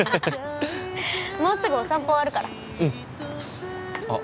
もうすぐお散歩終わるからうんあっ